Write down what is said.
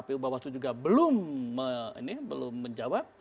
kpu bawaslu juga belum menjawab